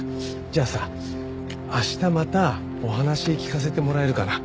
じゃあさ明日またお話聞かせてもらえるかな？